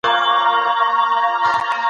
سالم ذهن ناکامي نه پیدا کوي.